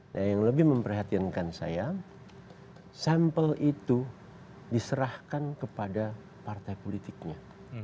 nah yang lebih memprihatinkan saya sampel itu diserahkan kepada partai politiknya